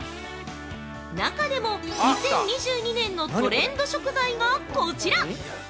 中でも２０２２年のトレンド食材が、こちら！